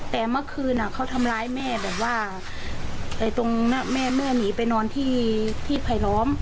แต่เมื่อคืนเขาทำร้ายแม่แบบว่าตรงแม่แม่หนีไปนอนที่ไผลล้อม